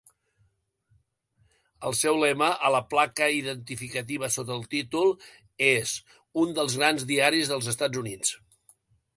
El seu lema, a la placa identificativa sota el títol, és "Un dels grans diaris dels Estats Units".